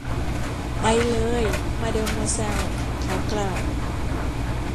“ไปเลยมาเดอโมแซล” เขากล่าว